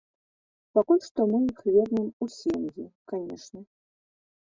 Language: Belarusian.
Пакуль што мы іх вернем у сем'і, канешне.